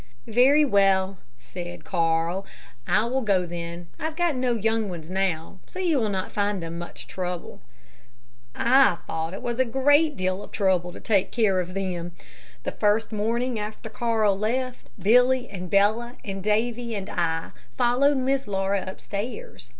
"Very well," said Carl, "I will go then; I've no young ones now, so you will not find them much trouble." I thought it was a great deal of trouble to take care of them. The first morning after Carl left, Billy, and Bella, and Davy, and I followed Miss Laura upstairs.